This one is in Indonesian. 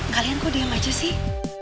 kalian kok diam aja sih